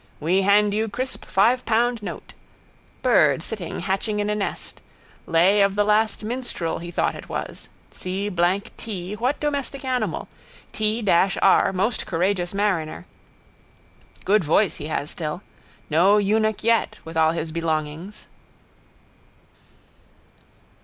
We hand you crisp five pound note. Bird sitting hatching in a nest. Lay of the last minstrel he thought it was. See blank tee what domestic animal? Tee dash ar most courageous mariner. Good voice he has still. No eunuch yet with all his belongings.